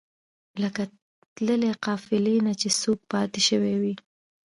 لکه له تللې قافلې نه چې څوک پاتې شوی وي.